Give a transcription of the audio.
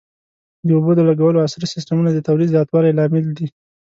د اوبو د لګولو عصري سیستمونه د تولید زیاتوالي لامل دي.